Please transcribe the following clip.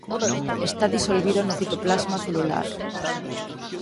Está disolvido no citoplasma celular.